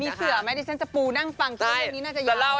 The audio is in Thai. มีเสื่อไหมดิฉันจะปูนั่งฟังคลิปนี้น่าจะยาว